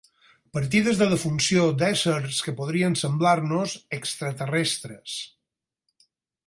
Partides de defunció d'éssers que podrien semblar-nos extraterrestres.